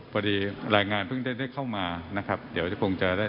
พอดีรายงานเพิ่งได้เข้ามานะครับเดี๋ยวจะคงจะได้